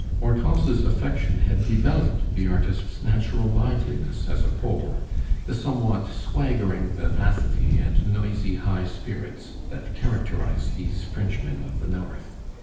Hortense's affection had developed the artist's natural liveliness as a Pole, the somewhat swaggering vivacity and noisy high spirits that characterize these Frenchmen of the North.